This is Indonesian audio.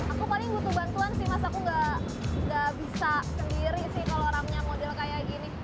aku paling butuh bantuan sih mas aku gak bisa sendiri sih kalau orangnya model kayak gini